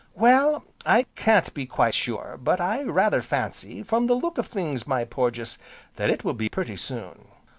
"Well, I can't be quite sure, but I rather fancy, from the look of things, my Porges, that it will be pretty soon."